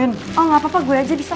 gak apa apa gue aja bisa pu